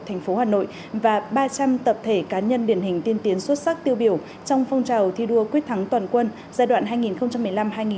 thành phố hà nội và ba trăm linh tập thể cá nhân điển hình tiên tiến xuất sắc tiêu biểu trong phong trào thi đua quyết thắng toàn quân giai đoạn hai nghìn một mươi năm hai nghìn hai mươi